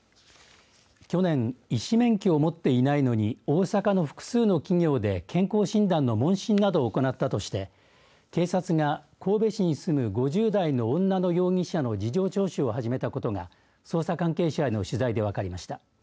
去年、医師免許を持っていないのに大阪の複数の企業で健康診断の問診などを行ったとして警察が神戸市に住む５０代の女の容疑者の事情聴取を始めたことが捜査関係者への取材で分かりました。